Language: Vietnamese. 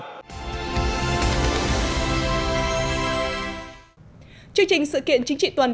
các bạn có thể hãy đăng kí cho kênh lalaschool để không bỏ lỡ những video hấp dẫn